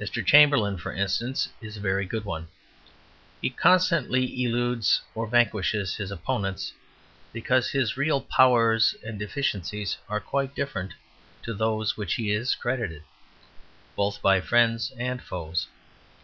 Mr. Chamberlain, for instance, is a very good one. He constantly eludes or vanquishes his opponents because his real powers and deficiencies are quite different to those with which he is credited, both by friends and foes.